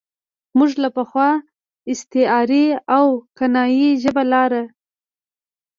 موږ له پخوا استعارتي او کنايي ژبه لاره.